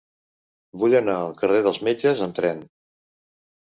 Vull anar al carrer dels Metges amb tren.